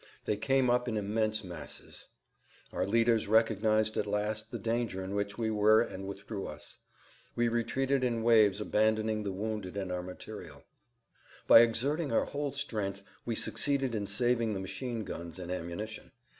They came up in immense masses. Our leaders recognized at last the danger in which we were and withdrew us. We retreated in waves abandoning the wounded and our material. By exerting our whole strength we succeeded in saving the machine guns and ammunition.